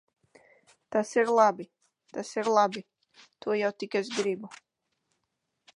Tas ir labi! Tas ir labi! To jau tik es gribu.